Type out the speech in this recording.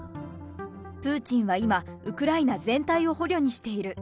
プーチンは今、ウクライナ全体を捕虜にしている。